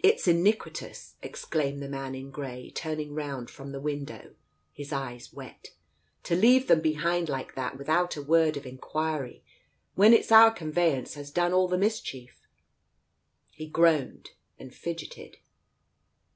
"It's iniquitous !" exclaimed the man in grey, turning round from the window — his eyes wet, "to leave them behind like that without a word of inquiry, when it's our conveyance has done all the mischief !" He groaned and fidgeted.